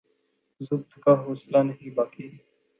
ضبط کا حوصلہ نہیں باقی